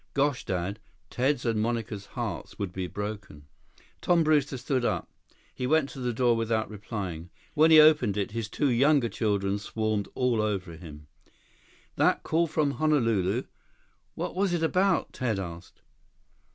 "Gosh, Dad, Ted's and Monica's hearts would be broken." Tom Brewster stood up. He went to the door without replying. When he opened it, his two younger children swarmed all over him. "That call from Honolulu? What was it about?" Ted asked.